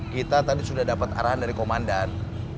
kita tadi sudah dapat arahan dari komandan